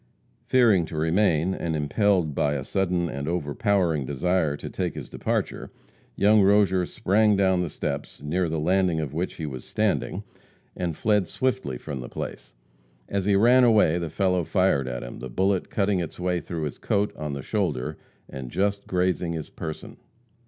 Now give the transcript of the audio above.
Fearing to remain, and impelled by a sudden and overpowering desire to take his departure, young Rozier sprang down the steps, near the landing of which he was standing, and fled swiftly from the place. As he ran away, the fellow fired at him, the bullet cutting its way through his coat on the shoulder, and just grazing his person.